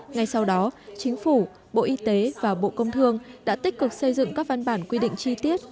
ngay sau đó chính phủ bộ y tế và bộ công thương đã tích cực xây dựng các văn bản quy định chi tiết